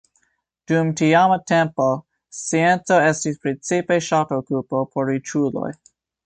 Dum tiama tempo, scienco estis precipe ŝatokupo por riĉuloj.